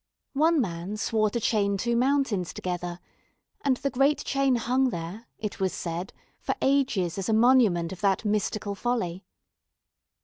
One man swore to chain two mountains together, and the great chain hung there, it was said, for ages as a monument of that mystical folly.